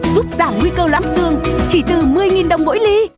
giúp giảm nguy cơ lãm xương chỉ từ một mươi đồng mỗi ly